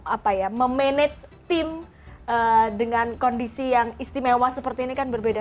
apa ya memanage tim dengan kondisi yang istimewa seperti ini kan berbeda